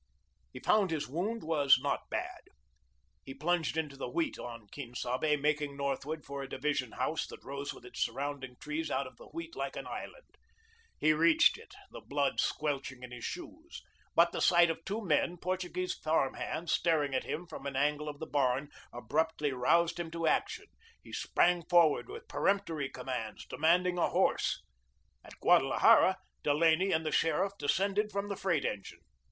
He found his wound was not bad. He plunged into the wheat on Quien Sabe, making northward for a division house that rose with its surrounding trees out of the wheat like an island. He reached it, the blood squelching in his shoes. But the sight of two men, Portuguese farm hands, staring at him from an angle of the barn, abruptly roused him to action. He sprang forward with peremptory commands, demanding a horse. At Guadalajara, Delaney and the sheriff descended from the freight engine.